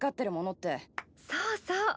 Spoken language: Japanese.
そうそう。